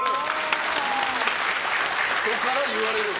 人から言われる。